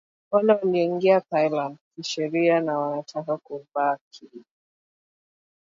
Wale walioingia Thailand kisheria na wanataka kubakia